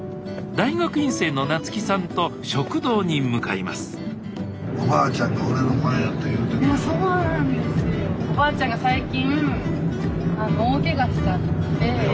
大学院生の夏希さんと食堂に向かいますそうなんですよ。